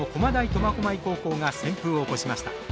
苫小牧高校が旋風を起こしました。